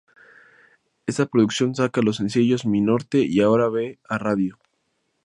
Esta producción saca los sencillos "Mi Norte" y "Y Ahora Ve" a radio.